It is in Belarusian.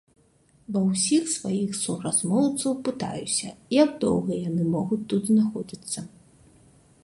Ва ўсіх сваіх суразмоўцаў пытаюся, як доўга яны могуць тут знаходзіцца.